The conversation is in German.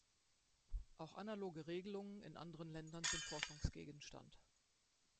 Auch analoge Regelungen in anderen Ländern sind Forschungsgegenstand.